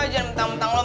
jangan mentang mentang lo